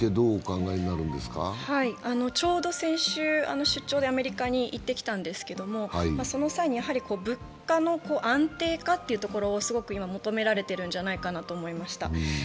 ちょうど先週、出張でアメリカに行って来たんですけど、その際に、やはり物価の安定化というところをすごく今求められているんじゃないかなと思いました。